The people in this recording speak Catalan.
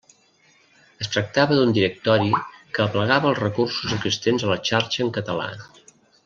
Es tractava d'un directori que aplegava els recursos existents a la xarxa en català.